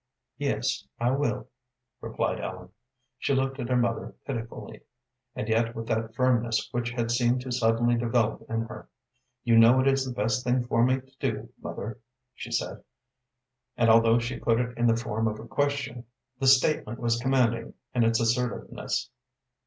"Yes, I will," replied Ellen. She looked at her mother pitifully, and yet with that firmness which had seemed to suddenly develop in her. "You know it is the best thing for me to do, mother?" she said, and although she put it in the form of a question, the statement was commanding in its assertiveness.